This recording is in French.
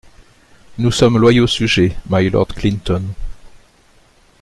Nous sommes loyaux sujets, My Lord Clinton .